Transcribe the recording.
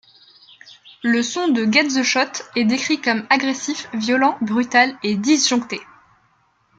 Le son de Get The Shot est décrit comme agressif, violent, brutal et disjoncté.